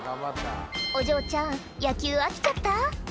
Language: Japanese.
お嬢ちゃん野球飽きちゃった？